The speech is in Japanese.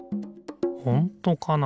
ほんとかな？